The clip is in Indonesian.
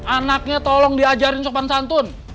anaknya tolong diajarin sopan santun